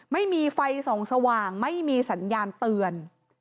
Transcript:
ไม่มีไฟส่องสว่างไม่มีสัญญาณเตือน